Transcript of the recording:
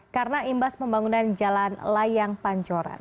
karena imbas pembangunan jalan layang pancoran